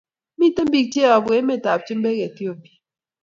Miten pik che yabu emet ab chumbek Ethipia